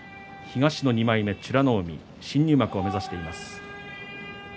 東の２枚目、美ノ海新入幕を目指しています。